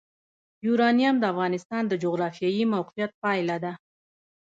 یورانیم د افغانستان د جغرافیایي موقیعت پایله ده.